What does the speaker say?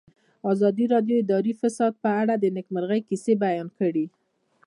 ازادي راډیو د اداري فساد په اړه د نېکمرغۍ کیسې بیان کړې.